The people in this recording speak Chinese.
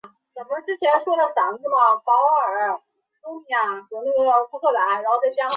她在肯尼迪和约翰逊时期曾转投民主党阵型。